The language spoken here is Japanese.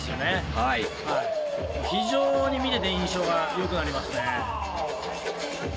非常に見てて印象がよくなりますね。